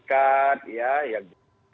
kita bisa menjaga kondisi ini